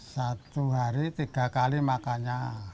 satu hari tiga kali makannya